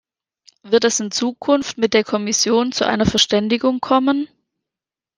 Wird es in Zukunft mit der Kommission zu einer Verständigung kommen?